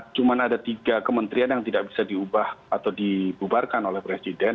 cuma ada tiga kementerian yang tidak bisa diubah atau dibubarkan oleh presiden